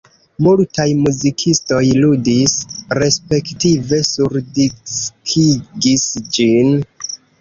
Multaj muzikistoj ludis respektive surdiskigis ĝin.